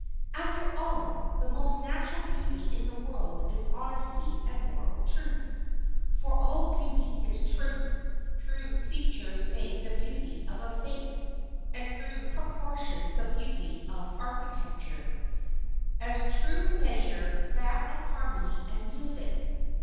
After all, the most natural beauty in the world is honesty and moral truth; for all beauty is truth. True features make the beauty of a face, and true proportions the beauty of architecture, as true measure that of harmony and music.